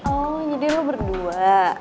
oh jadi lo berdua